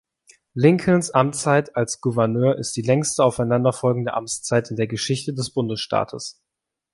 Lincolns Amtszeit als Gouverneur ist die längste aufeinander folgende Amtszeit in der Geschichte des Bundesstaates.